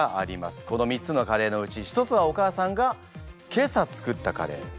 この３つのカレーのうち１つはお母さんが今朝作ったカレー。